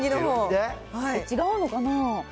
これ、違うのかな。